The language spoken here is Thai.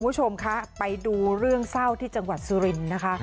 คุณผู้ชมคะไปดูเรื่องเศร้าที่จังหวัดสุรินทร์นะคะ